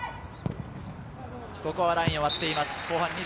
ここはラインを割っています。